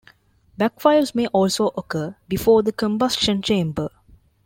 Backfires may also occur before the combustion chamber.